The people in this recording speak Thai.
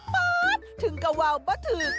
ป๊อตถึงกว่าวเบอร์ถือ